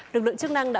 lực lượng chức năng đã